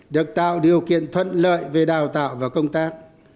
được tạo điều kiện thuận lợi về đào tạo và công tác